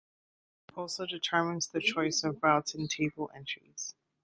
This also determines the choice of routing table entries.